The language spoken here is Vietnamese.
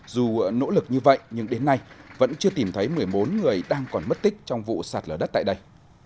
dù nỗ lực như vậy nhưng đến nay vẫn chưa tìm thấy một mươi bốn người đang còn mất tích trong vụ sạt lở đất tại đây